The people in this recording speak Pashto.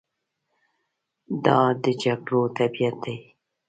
دا د جګړو طبیعت دی.